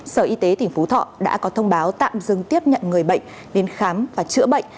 sở y tế tỉnh phú thọ đã có thông báo tạm dừng tiếp nhận người bệnh đến khám và chữa bệnh